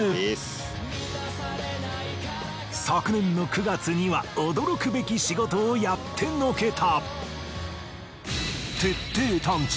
昨年の９月には驚くべき仕事をやってのけた。